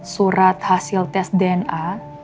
surat hasil tes dna